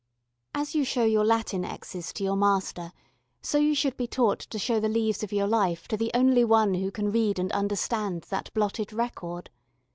As you show your Latin exes. to your master, so you should be taught to show the leaves of your life to the only One who can read and understand that blotted record.